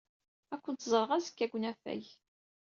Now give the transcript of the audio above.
Ad kent-ẓreɣ azekka deg unafag.